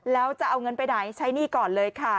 แล้วจะเอาเงินไปไหนใช้หนี้ก่อนเลยค่ะ